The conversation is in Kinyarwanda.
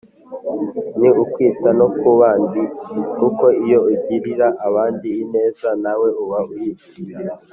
ni ukwita no ku bandi kuko iyo ugirira abandi ineza, nawe uba uyigirira